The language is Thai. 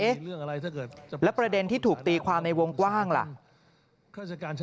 เอ๊ะแล้วประเด็นที่ถูกตีความในวงกว้างล่ะ